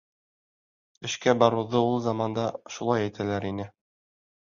Эшкә барыуҙы ул заманда шулай әйтәләр ине.